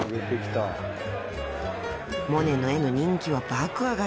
［モネの絵の人気は爆上がり］